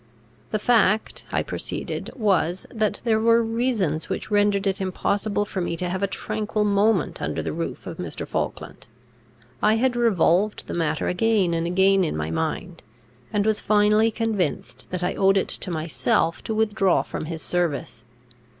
The fact, I proceeded, was, that there were reasons which rendered it impossible for me to have a tranquil moment under the roof of Mr. Falkland. I had revolved the matter again and again in my mind, and was finally convinced that I owed it to myself to withdraw from his service.